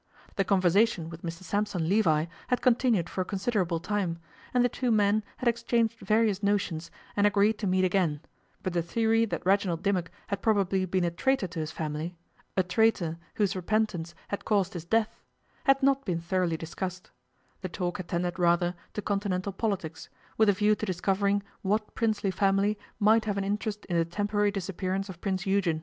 The conversation with Mr Sampson Levi had continued for a considerable time, and the two men had exchanged various notions, and agreed to meet again, but the theory that Reginald Dimmock had probably been a traitor to his family a traitor whose repentance had caused his death had not been thoroughly discussed; the talk had tended rather to Continental politics, with a view to discovering what princely family might have an interest in the temporary disappearance of Prince Eugen.